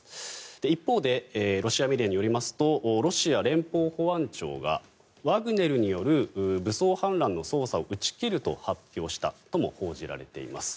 一方でロシアメディアによりますとロシア連邦保安庁がワグネルによる武装反乱の捜査を打ち切ると発表したとも報じられています。